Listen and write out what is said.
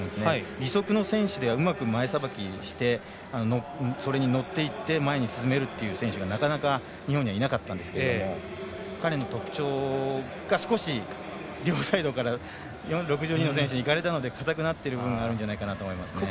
義足の選手ではうまく前さばきをしてそれに乗っていって前に進めるという選手がなかなか日本にはいなかったんですけど彼の特徴が、少し両サイドから６２の選手にいかれたので硬くなってるところがあると思いますね。